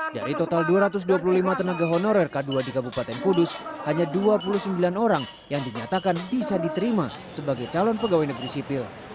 dari total dua ratus dua puluh lima tenaga honorer k dua di kabupaten kudus hanya dua puluh sembilan orang yang dinyatakan bisa diterima sebagai calon pegawai negeri sipil